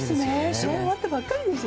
試合が終わったばかりですよ。